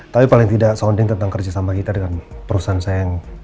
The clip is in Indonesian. tapi paling tidak sounding tentang kerjasama kita dengan perusahaan saya yang